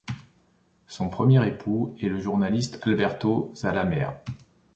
Son premier époux est le journaliste Alberto Zalamea.